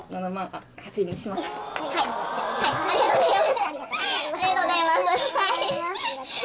ありがとうございます。